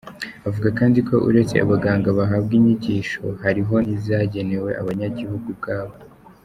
Avuga kandi ko uretse abaganga bahabwa inyigisho, hariho n'izagenewe abanyagihugu ubwabo.